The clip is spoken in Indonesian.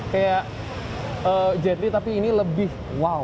kayak jetry tapi ini lebih wow